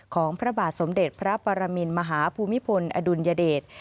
ของพระบาทสมเด็จพระปรมินมหาภูมิพลอดุลยเดช